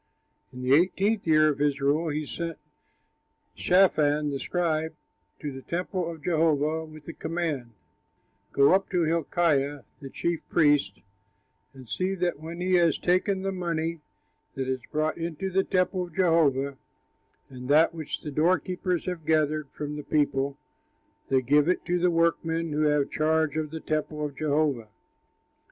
In the eighteenth year of his rule he sent Shaphan, the scribe, to the temple of Jehovah with the command, "Go up to Hilkiah, the chief priest, and see that, when he has taken the money that is brought into the temple of Jehovah and that which the doorkeepers have gathered from the people, they give it to the workmen who have charge of the temple of Jehovah.